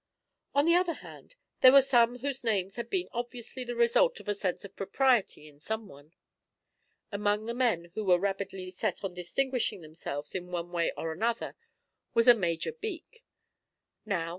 On the other hand there were some whose names had been obviously the result of a sense of propriety in some one. Among the men who were rabidly set on distinguishing themselves in one way or another was a Major Beak.